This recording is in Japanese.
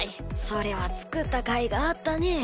それは作った甲斐があったねぇ。